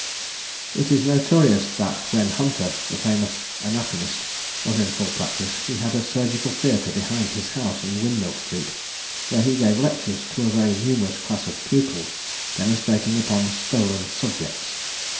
It is notorious that when Hunter, the famous anatomist, was in full practice, he had a surgical theatre behind his house in Windmill street, where he gave lectures to a very numerous class of pupils, demonstrating upon stolen "subjects."